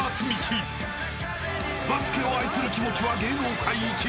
［バスケを愛する気持ちは芸能界一］